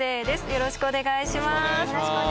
よろしくお願いします。